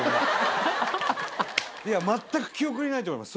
いや全く記憶にないと思います